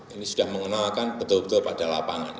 ini sudah mengenalkan betul betul pada lapangan